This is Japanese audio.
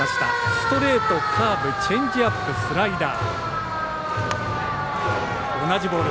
ストレート、カーブチェンジアップスライダー。